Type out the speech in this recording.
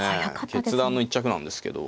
決断の一着なんですけど。